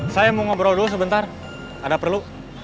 saya mau ngobrol dulu sebentar ada perlu